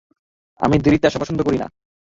আমি দেরিতে আসা পছন্দ করি না।